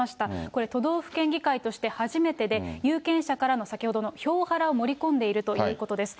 これ、都道府県議会として初めてで、有権者からの先ほどの票ハラを盛り込んでいるということです。